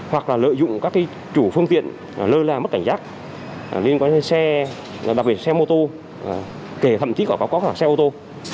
hoặc là lợi dụng các chủ phương tiện lơ la mất cảnh giác liên quan đến xe đặc biệt xe mô tô kể thậm chí có xe mô tô